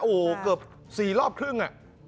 ๑๒๓๔๕โอ้เกือบ๔รอบครึ่ง